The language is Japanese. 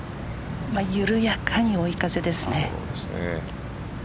緩やかに追い風です。